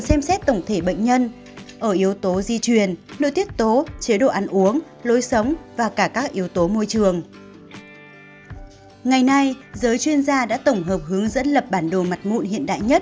xin chào và hẹn gặp lại